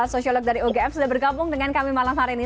sosiolog dari ugm sudah bergabung dengan kami malam hari ini